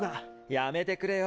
やめてくれよ。